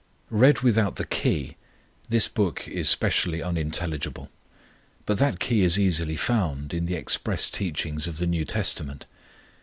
Read without the key, this book is specially unintelligible, but that key is easily found in the express teachings of the New Testament.